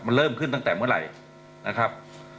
มันเริ่มขึ้นตั้งแต่เมื่อไหร่นะครับ